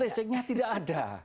listriknya tidak ada